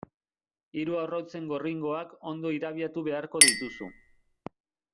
Hiru arrautzen gorringoak ondo irabiatu beharko dituzu.